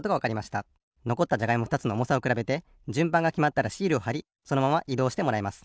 のこったじゃがいもふたつのおもさをくらべてじゅんばんがきまったらシールをはりそのままいどうしてもらいます。